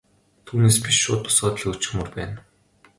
Түүнээс биш шууд босгоод л хөөчихмөөр байна.